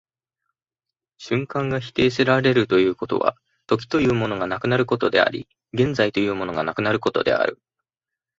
瞬間が否定せられるということは、時というものがなくなることであり、現在というものがなくなることである。